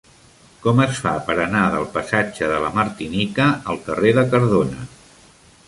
Com es fa per anar del passatge de la Martinica al carrer de Cardona?